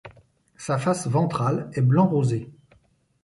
Sa face ventrale est blanc rosé.